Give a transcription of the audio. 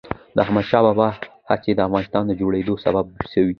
د احمد شاه بابا هڅې د افغانستان د جوړېدو سبب سوي.